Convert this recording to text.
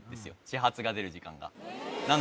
始発が出る時間がな